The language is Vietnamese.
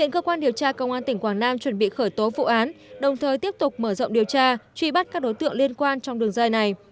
cơ quan điều tra công an tỉnh quảng nam chuẩn bị khởi tố vụ án đồng thời tiếp tục mở rộng điều tra truy bắt các đối tượng liên quan trong đường dây này